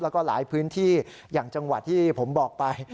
แล้วก็หลายพื้นที่อย่างจังหวัดที่ผมบอกไป